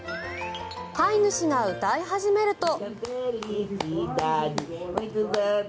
飼い主が歌い始めると。